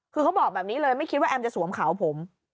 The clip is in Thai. คือเขาบอกแบบนี้เลยไม่คิดว่าแอมจะสวมเขาผม